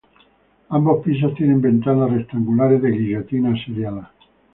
Ambos pisos tienen ventanas rectangulares de guillotina seriadas.